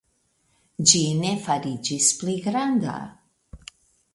Ĝi ne fariĝis pli granda.